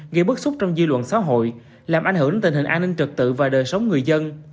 gây bức xúc trong dư luận xã hội làm ảnh hưởng đến tình hình an ninh trực tự và đời sống người dân